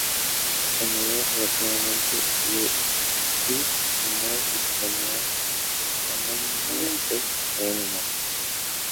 Su tonalidad relativa es "si" menor, y su tonalidad homónima es "re" menor.